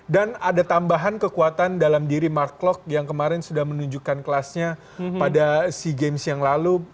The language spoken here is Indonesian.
dan ada tambahan kekuatan dalam diri mark klok yang kemarin sudah menunjukkan kelasnya pada sea games yang lalu